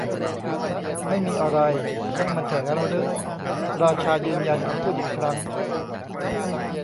ไม่มีอะไร ช่างมันเถอะงั้นรึ ? ราชายืนยันคำพูดอีกครั้ง